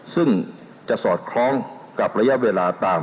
ซึ่งจะสอดคล้องกับระยะเวลาต่าง